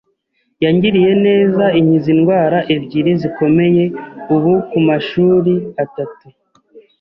yangiriye neza inkiza indwara ebyiri zikomeye ubu ku mashuri atatu